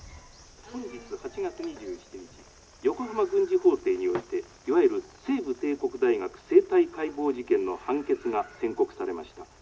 本日８月２７日横浜軍事法廷においていわゆる西部帝国大学生体解剖事件の判決が宣告されました。